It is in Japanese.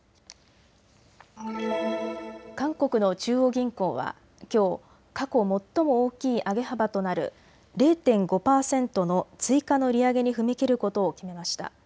韓国の中央銀行はきょう過去最も大きい上げ幅となる０．５％の追加の利上げに踏み切ることを決めました。